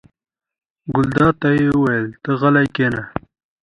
ګلداد ته یې وویل: ته غلی کېنه.